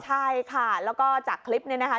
ใช่ค่ะแล้วก็จากคลิปนี้นะคะ